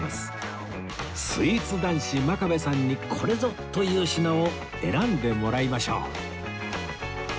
スイーツ男子真壁さんにこれぞという品を選んでもらいましょう